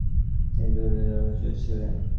তিনি কুর্দি জাতিগোষ্ঠীর লোক ছিলেন।